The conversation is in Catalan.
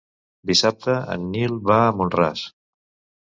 Dissabte en Nil va a Mont-ras.